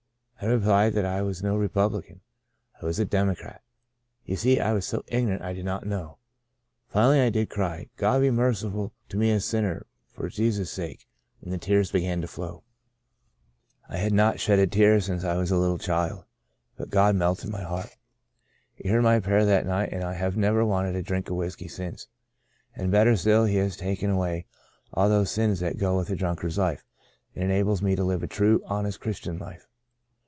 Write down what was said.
I replied that I was no Republican ; I was a Democrat. You see, I was so ignorant I did not know. Finally I did cry, * God be merciful to me a sinner, for Jesus' sake/ and the tears began to flow. 128 "Out of Nazareth" I had not shed a tear since I was a Uttle child, but God melted my heart. He heard my prayer that night and I have never wanted a drink of whiskey since, and better still He has taken away all those sins that go with a drunkard's life, and enables me to live a true, honest Christian life.